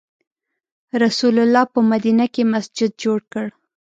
رسول الله په مدینه کې مسجد جوړ کړ.